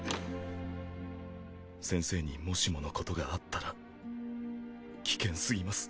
先生にもしものことがあったら危険すぎます。